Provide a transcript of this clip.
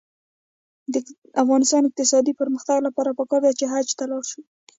د افغانستان د اقتصادي پرمختګ لپاره پکار ده چې حج ته لاړ شو.